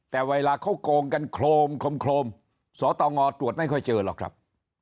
แต่เวลาเขาโกงกันโครมโครมสตงตรวจไม่ค่อยเจอหรอกครับ